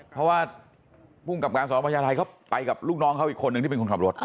เพราะว่าภูมิกับการสอนพญาไทยเขาไปกับลูกน้องเขาอีกคนนึงที่เป็นคนขับรถ